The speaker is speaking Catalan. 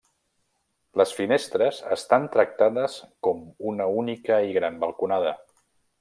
Les finestres estan tractades com una única i gran balconada.